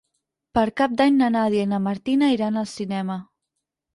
Per Cap d'Any na Nàdia i na Martina iran al cinema.